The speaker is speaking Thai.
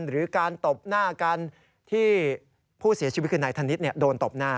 หรือการตบหน้ากันที่ผู้เสียชีวิตคือนายธนิษฐ์โดนตบหน้า